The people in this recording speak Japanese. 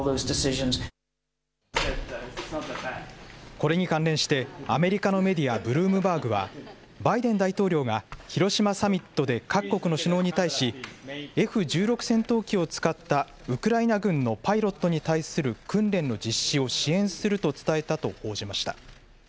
これに関連して、アメリカのメディア、ブルームバーグは、バイデン大統領が広島サミットで各国の首脳に対し、Ｆ１６戦闘機を使ったウクライナ軍のパイロットに対する訓練の実施を支援すると伝えたと報じました。